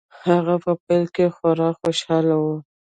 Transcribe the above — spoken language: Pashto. هغه په پيل کې خورا خوشحاله و.